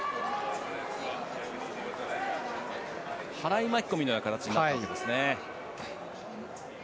払い巻き込みのような形になったわけですね。